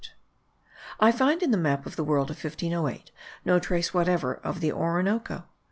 I find in the map of the world of 1508 no trace whatever of the Orinoco.